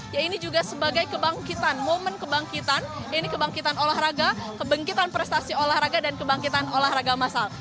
ya ini juga sebagai kebangkitan momen kebangkitan ini kebangkitan olahraga kebangkitan prestasi olahraga dan kebangkitan olahraga masal